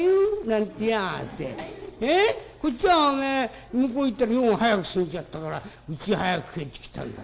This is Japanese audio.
こっちはおめえ向こうへ行ったら用が早く済んじゃったからうちへ早く帰ってきたんだ。